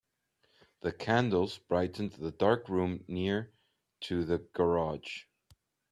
The candles brightened the dark room near to the garage.